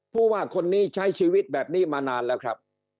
ผู้ว่าคนนี้ใช้ชีวิตแบบนี้มานานแล้วครับ